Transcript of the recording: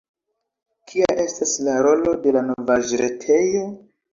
Kia estas la rolo de la novaĵretejo?